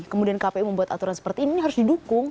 kemudian kpu membuat aturan seperti ini harus didukung